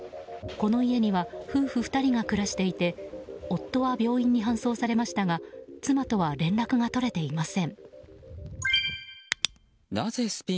この家には夫婦２人が暮らしていて夫は病院に搬送されましたが妻とは連絡が取れていません。